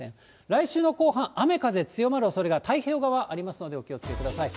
来週の後半、雨風強まるおそれが、太平洋側ありますので、お気をつけください。